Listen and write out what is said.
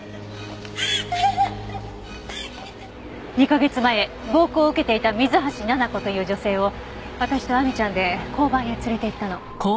２カ月前暴行を受けていた水橋奈々子という女性を私と亜美ちゃんで交番へ連れて行ったの。